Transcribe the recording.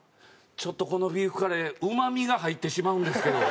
ちょっとこのビーフカレー“旨み”が入ってしまうんですけど」。